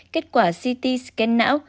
kết quả ct scan não